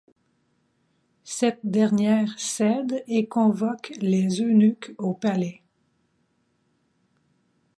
Cette dernière cède et convoque les eunuques au palais.